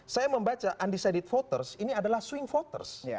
saya membaca undecided voters ini adalah swing voters